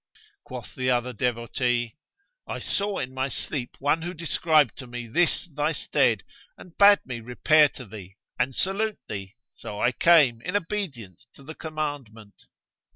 Quoth the other devotee, "I saw in my sleep one who described to me this thy stead and bade me repair to thee and salute thee: so I came, in obedience to the commandment."